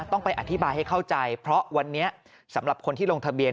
ต้องไปอธิบายให้เข้าใจเพราะวันนี้สำหรับคนที่ลงทะเบียน